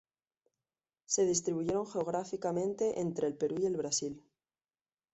Se distribuyen geográficamente entre el Perú y el Brasil.